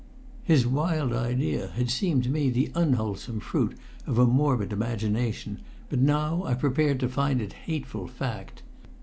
His wild idea had seemed to me the unwholesome fruit of a morbid imagination, but now I prepared to find it hateful fact.